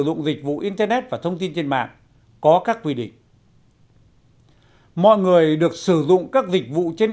dụng dịch vụ internet và thông tin trên mạng có các quy định mọi người được sử dụng các dịch vụ trên